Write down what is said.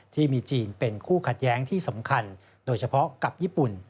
ที่มีจีนเป็นคู่ขัดแย้งที่สำคัญโดยเฉพาะกับญี่ปุ่น